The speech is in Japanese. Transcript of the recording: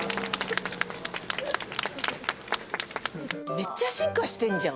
めっちゃ進化してんじゃん。